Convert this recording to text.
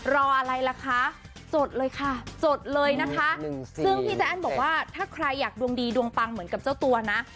รออะไรล่ะคะจดเลยค่ะจดเลยนะคะซึ่งพี่ใจแอ้นบอกว่าถ้าใครอยากดวงดีดวงปังเหมือนกับเจ้าตัวนะ